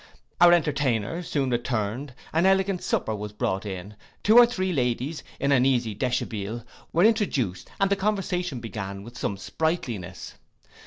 Our entertainer soon returned, an elegant supper was brought in, two or three ladies, in an easy deshabille, were introduced, and the conversation began with some sprightliness.